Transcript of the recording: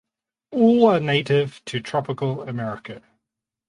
All are native to tropical America.